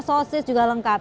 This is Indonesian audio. sausis juga lengkap